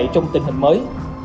trong tình hình mới